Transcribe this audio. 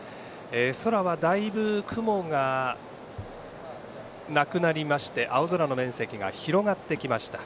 空は、だいぶ雲がなくなりまして青空の面積が広がってきました。